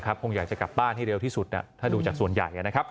คงอยากจะกลับบ้านให้เร็วที่สุดถ้าดูจากส่วนใหญ่นะครับ